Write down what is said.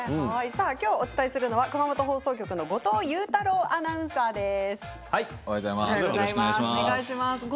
きょうお伝えするのは熊本放送局の後藤佑太郎アナウンサーです。